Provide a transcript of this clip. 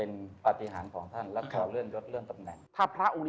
น่าที่การงานของเราด้วย